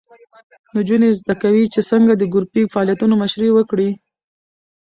نجونې زده کوي چې څنګه د ګروپي فعالیتونو مشري وکړي.